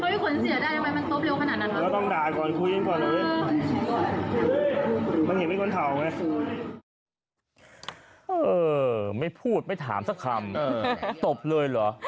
ไม่พูดไม่ถามสักคำตบเลยเหรอ